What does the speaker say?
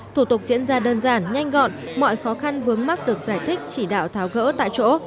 thủ tục diễn ra đơn giản nhanh gọn mọi khó khăn vướng mắt được giải thích chỉ đạo tháo gỡ tại chỗ